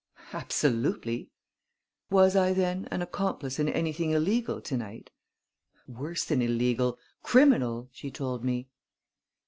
"Absolutely!" "Was I, then, an accomplice in anything illegal to night?" "Worse than illegal criminal!" she told me.